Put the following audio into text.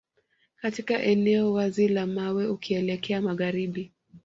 Katika eneo wazi la mawe ukielekea magharibi